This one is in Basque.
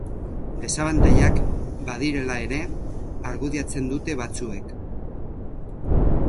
Desabantailak badirela ere argudiatzen dute batzuek.